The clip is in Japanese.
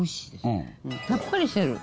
さっぱりしてる。